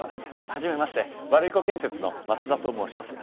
はじめましてワルイコ建設の増田と申します。